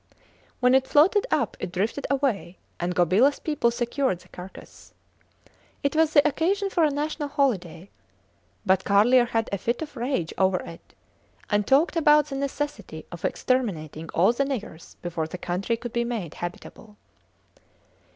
When it floated up it drifted away, and Gobilas people secured the carcase. It was the occasion for a national holiday, but Carlier had a fit of rage over it and talked about the necessity of exterminating all the niggers before the country could be made habitable.